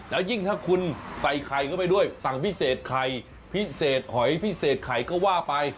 แล้วยิ่งถ้าคุณใส่ไข่เข้าไปด้วยสั่งพิเศษไข่พิเศษหอยพิเศษไข่ก็ว่าไป